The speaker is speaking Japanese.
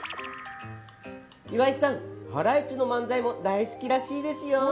岩井さん、ハライチの漫才も大好きらしいですよ。